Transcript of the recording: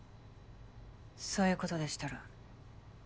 そういうことでしたら。